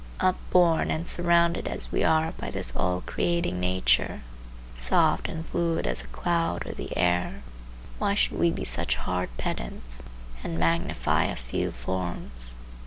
Upborne and surrounded as we are by this all creating nature, soft and fluid as a cloud or the air, why should we be such hard pedants, and magnify a few forms?